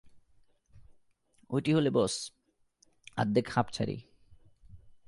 ঐটি হলে বস্, আদ্দেক হাঁপ ছাড়ি।